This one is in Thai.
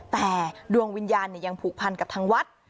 แต่ดวงวิญญาณยังผูกพันกับทางวัด